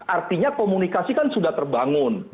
artinya komunikasi kan sudah terbangun